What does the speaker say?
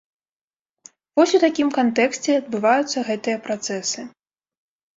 Вось у такім кантэксце адбываюцца гэтыя працэсы.